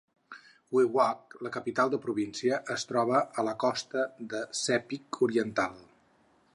Wewak, la capital de província, es troba a la costa de Sepik Oriental.